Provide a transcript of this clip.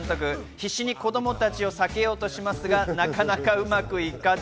必死に子供たちを避けようとしますが、なかなかうまくいかず。